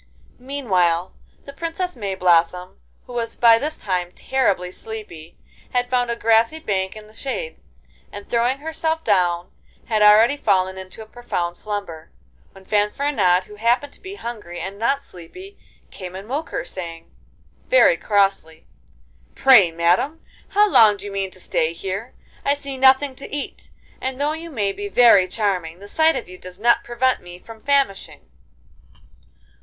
Meanwhile the Princess Mayblossom, who was by this time terribly sleepy, had found a grassy bank in the shade, and throwing herself down had already fallen into a profound slumber, when Fanfaronade, who happened to be hungry and not sleepy, came and woke her up, saying, very crossly: 'Pray, madam, how long do you mean to stay here? I see nothing to eat, and though you may be very charming, the sight of you does not prevent me from famishing.